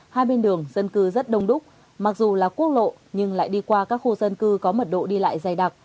hai bên đường dân cư rất đông đúc mặc dù là quốc lộ nhưng lại đi qua các khu dân cư có mật độ đi lại dày đặc